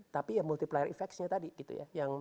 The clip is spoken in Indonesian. tapi ya multiplier effect nya tadi gitu ya